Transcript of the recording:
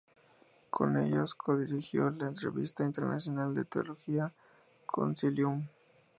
Con ellos codirigió la revista internacional de teología Concilium.